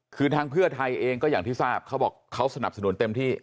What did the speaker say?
คือทางเพื่อไทยเองก็อย่างที่ทราบเขาบอกเขาสนับสนุนเต็มที่